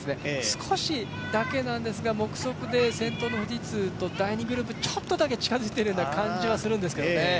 少しだけですが、目測で先頭の富士通と第２グループちょっとだけ近づいている感じがするんですけどね。